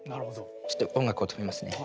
ちょっと音楽を止めますね。